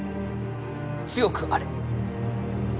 強くあれ。